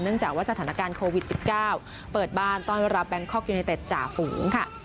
จากว่าสถานการณ์โควิด๑๙เปิดบ้านต้อนรับแบงคอกยูเนเต็ดจ่าฝูงค่ะ